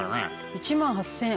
「１万８０００円。